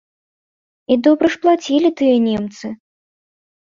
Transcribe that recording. І добра ж плацілі тыя немцы!